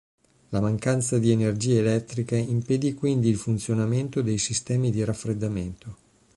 La mancanza di energia elettrica impedì quindi il funzionamento dei sistemi di raffreddamento.